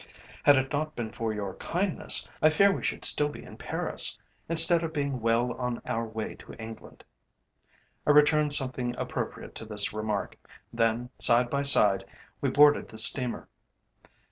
"Had it not been for your kindness, I fear we should still be in Paris, instead of being well on our way to England." I returned something appropriate to this remark, then, side by side, we boarded the steamer.